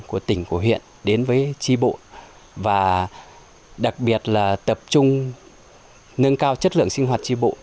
của tỉnh của huyện đến với tri bộ và đặc biệt là tập trung nâng cao chất lượng sinh hoạt tri bộ